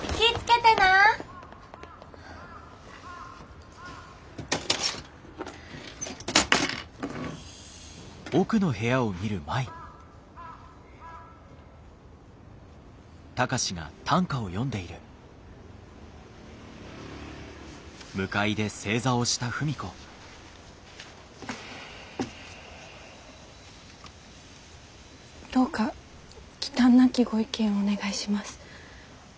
どうか忌憚なきご意見をお願いします。